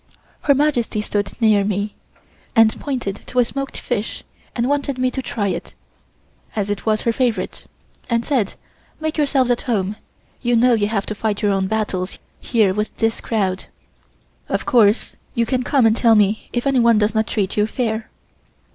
Her Majesty stood near me, and pointed to a smoked fish and wanted me to try it, as it was her favorite, and said: "Make yourselves at home. You know you have to fight your own battles here with this crowd. Of course you can come and tell me if anyone does not treat you fair."